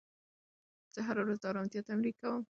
زه هره ورځ د ارامتیا تمرین کوم.